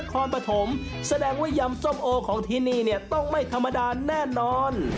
คอนปฐมแสดงว่ายำส้มโอของที่นี่เนี่ยต้องไม่ธรรมดาแน่นอน